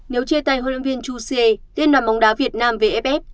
nếu chia tay huấn luyện viên chú siê đến đoàn bóng đá việt nam vff